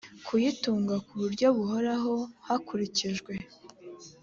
kuyitunga ku buryo buhoraho hakurikijwe